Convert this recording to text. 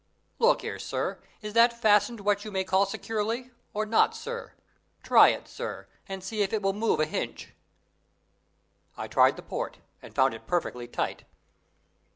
Look 'ere, sir, is that fastened what you may call securely, or not, sir? Try it, sir, see if it will move a hinch." I tried the port, and found it perfectly tight.